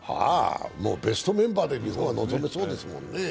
ベストメンバーで日本は臨めそうですもんね。